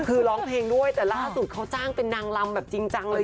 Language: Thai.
คือร้องเพลงด้วยแต่ล่าสุดเขาจ้างเป็นนางลำแบบจริงจังเลย